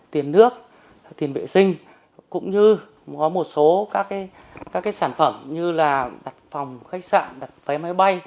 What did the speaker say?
tiền nước tiền vệ sinh cũng như có một số các sản phẩm như là đặt phòng khách sạn đặt vé máy bay